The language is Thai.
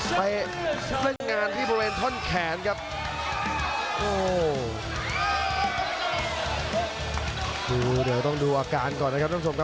ไปเล่นงานที่บริโธนแขนครับ